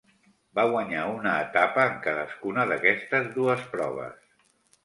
Va guanyar una etapa en cadascuna d'aquestes dues proves.